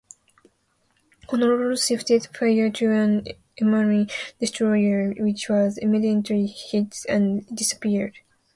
"Honolulu" shifted fire to an enemy destroyer, which was immediately hit and disappeared.